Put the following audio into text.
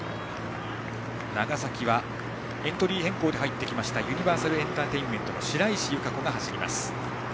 長崎はエントリー変更で入ってきたユニバーサルエンターテインメントの白石が走ります。